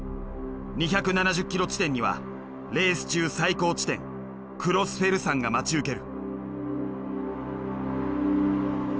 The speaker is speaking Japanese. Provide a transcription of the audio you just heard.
２７０ｋｍ地点にはレース中最高地点クロスフェル山が待ち受ける。